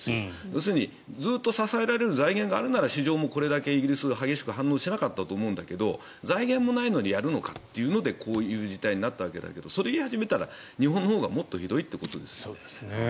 要するにずっと支えられる財源があるなら市場もこれだけイギリスは激しく反応しなかったと思うんだけど財源もないのにやるのかってこういう反応になったと思うんだけどそれを言ったら日本のほうがもっとひどいと。